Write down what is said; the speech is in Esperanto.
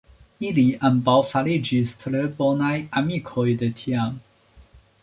Ili ambaŭ fariĝis tre bonaj amikoj de tiam.